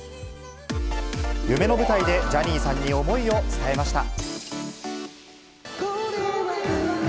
夢の舞台で、ジャニーさんに思いを伝えました。